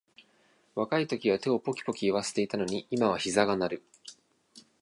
若いときは手をポキポキいわせていたのに、今はひざが鳴る